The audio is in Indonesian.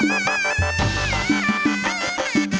mereka akan menjelaskan kekuatan mereka